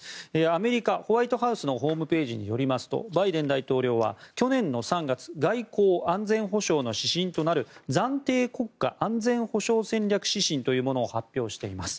アメリカ、ホワイトハウスのホームページによりますとバイデン大統領は去年の３月外交・安全保障の指針となる暫定国家安全保障戦略指針というものを発表しています。